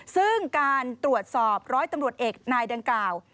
ซึ่งการตรวจสอบร้อยตำรวจเอกนายดังกล่าว